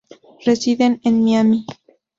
Residen en Miami.